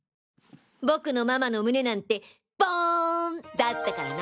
僕のママの胸なんてボーンだったからな！